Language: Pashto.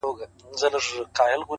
مستي؛ مستاني؛ سوخي؛ شنګي د شرابو لوري؛